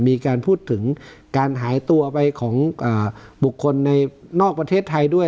มีการพูดถึงการหายตัวไปของบุคคลในนอกประเทศไทยด้วย